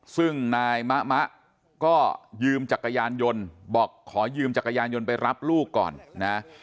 ซึ่งนายมะมะก็ยืมจักรยานยนต์บอกขอยืมจักรยานยนต์ไปรับลูกก่อนนะ